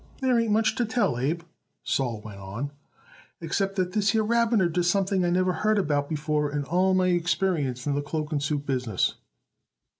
"There ain't much to tell, Abe," Sol went on, "except that this here Rabiner does something I never heard about before in all my experience in the cloak and suit business."